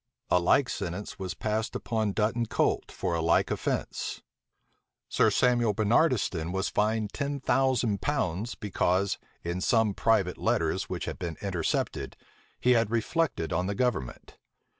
A like sentence was passed upon Dutton Colt, for a like offence Sir Samuel Barnardiston was fined ten thousand pounds, because, in some private letters which had been intercepted, he had reflected on the government.